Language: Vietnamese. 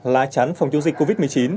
là chắn phòng chống dịch covid một mươi chín